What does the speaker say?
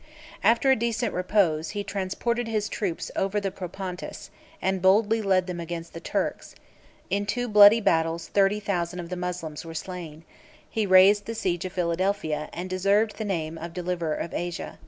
After a decent repose, he transported his troops over the Propontis, and boldly led them against the Turks: in two bloody battles thirty thousand of the Moslems were slain: he raised the siege of Philadelphia, and deserved the name of the deliverer of Asia.